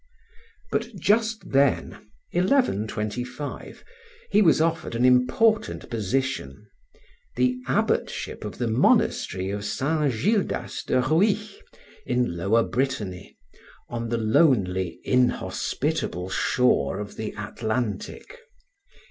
But just then (1125) he was offered an important position, the abbotship of the monastery of St. Gildas de Rhuys, in Lower Brittany, on the lonely, inhospitable shore of the Atlantic.